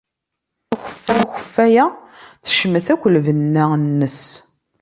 Akeffay-a tecmet akk lbenna-nnes.